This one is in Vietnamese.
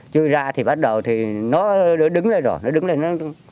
chưa ra thì bắt đầu thì nó đứng lên rồi nó đứng lên nó